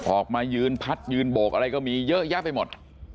ออกมายืนพัดยืนโบกอะไรก็มีเยอะแยะไปหมด